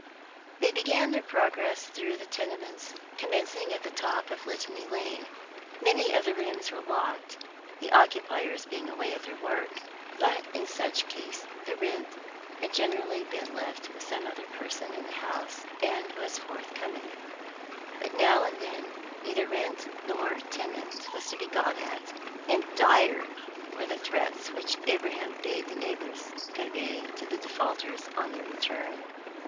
They began their progress through the tenements, commencing at the top of Litany Lane. Many of the rooms were locked, the occupiers being away at their work, but in such case the rent had generally been left with some other person in the house, and was forthcoming. But now and then neither rent nor tenant was to be got at, and dire were the threats which Abraham bade the neighbours convey to the defaulters on their return.